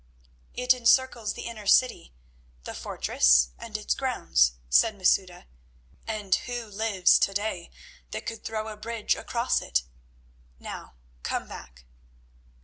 "It encircles the inner city, the fortress, and its grounds," said Masouda; "and who lives to day that could throw a bridge across it? Now come back."